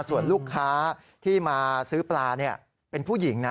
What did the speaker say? ส่วนลูกค้าที่มาซื้อปลาเป็นผู้หญิงนะ